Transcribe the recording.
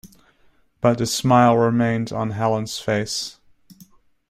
But the smile remained on Helene's face.